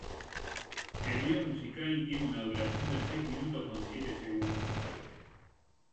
El vídeo musical tiene una duración de seis minutos con siete segundos.